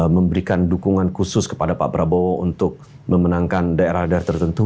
memberikan dukungan khusus kepada pak prabowo untuk memenangkan daerah daerah tertentu